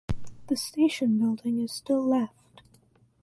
The station building is still left.